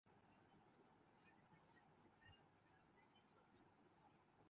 مذہب کی تعبیر پر اس نے اپنا تسلط قائم کر رکھا ہے۔